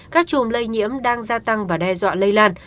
các chùm lây nhiễm đang gia tăng và đe dọa lây lan